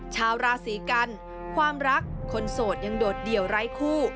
ชาวราศีกันความรักคนโสดยังโดดเดี่ยวไร้คู่